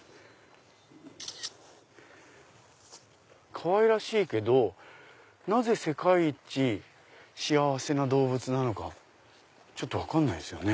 かわいらしいけどなぜ世界一幸せな動物なのかちょっと分からないですよね。